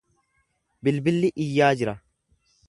Bilbilli iyyaa jira.